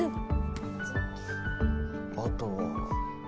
あとは。